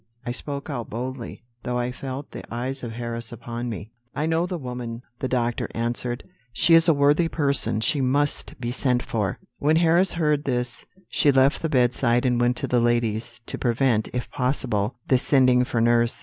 I spoke out boldly, though I felt the eyes of Harris upon me. "'I know the woman,' the doctor answered: 'she is a worthy person; she must be sent for.' "When Harris heard this she left the bedside and went to the ladies, to prevent, if possible, this sending for nurse.